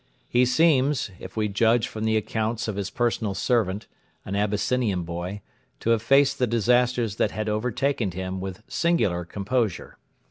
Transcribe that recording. He seems, if we judge from the accounts of his personal servant, an Abyssinian boy, to have faced the disasters that had overtaken him with singular composure.